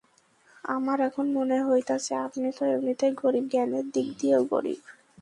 আমার এখন মনে হইতাছে, আপনি তো এমনিতেই গরীব, জ্ঞানের দিক দিয়েও গরীব।